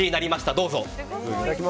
どうぞ。